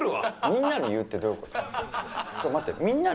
みんなに言うってどういう事？